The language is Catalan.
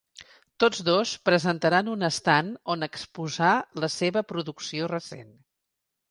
Tots dos presentaran un estand on exposar la seva producció recent.